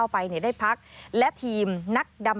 สวัสดีค่ะสวัสดีค่ะ